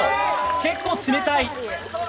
結構冷たい。